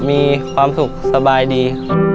มีความสุขสบายดี